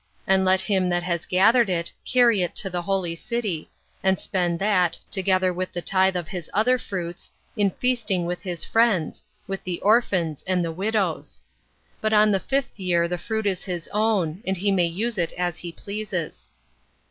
And let him that has gathered it carry it to the holy city, and spend that, together with the tithe of his other fruits, in feasting with his friends, with the orphans, and the widows. But on the fifth year the fruit is his own, and he may use it as he pleases.